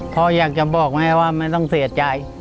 พ่ออยากจะบอกแม่ว่าไม่ต้องเสียใจ